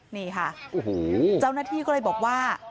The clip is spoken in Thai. นี่ค่ะโอ้โหเจ้าหน้าที่ก็เลยบอกว่า